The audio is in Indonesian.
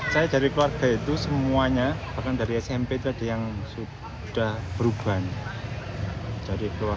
saya dari keluarga itu semuanya bahkan dari smp itu ada yang sudah berubah